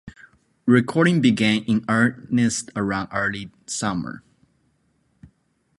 Recording began in earnest around early summer.